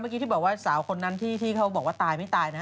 ที่บอกว่าสาวคนนั้นที่เขาบอกว่าตายไม่ตายนะ